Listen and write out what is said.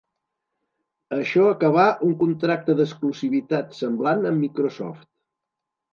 Això acabà un contracte d'exclusivitat semblant amb Microsoft.